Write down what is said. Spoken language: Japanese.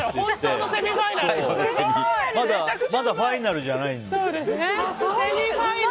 まだファイナルじゃないんだよね。